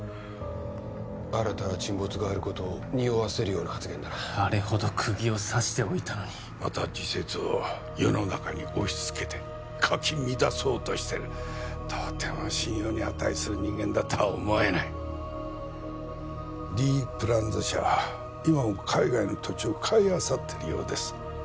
新たな沈没があることをにおわせるような発言だなあれほどくぎを刺しておいたのにまた自説を世の中に押しつけてかき乱そうとしてるとても信用に値する人間だとは思えないＤプランズ社は今も海外の土地を買いあさってるようです